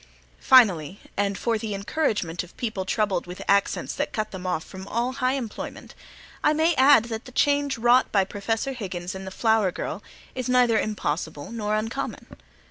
Finally, and for the encouragement of people troubled with accents that cut them off from all high employment, I may add that the change wrought by Professor Higgins in the flower girl is neither impossible nor uncommon.